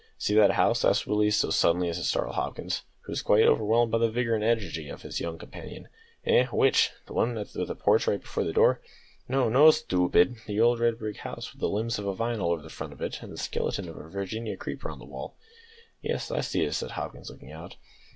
"See that house?" asked Willie, so suddenly as to startle Hopkins, who was quite overwhelmed by the vigour and energy of his young companion. "Eh! which! the one with the porch before the door?" "No, no, stoopid! the old red brick house with the limbs of a vine all over the front of it, and the skeleton of a Virginia creeper on the wall." "Yes, I see it," said Hopkins, looking out.